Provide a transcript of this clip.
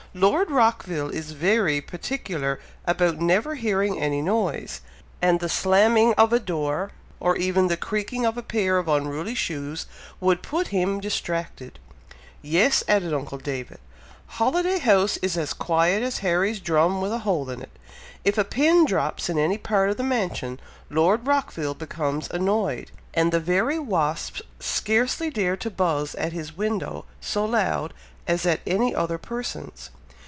"Lord Rockville is very particular about never hearing any noise, and the slamming of a door, or even the creaking of a pair of unruly shoes, would put him distracted." "Yes!" added uncle David, "Holiday House is as quiet as Harry's drum with a hole in it. If a pin drops in any part of the mansion, Lord Rockville becomes annoyed, and the very wasps scarcely dare to buz at his window so loud as at any other person's.